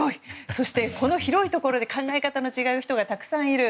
そしてこの広いところで考え方の違う人がたくさんいる。